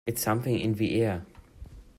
It's something in the air.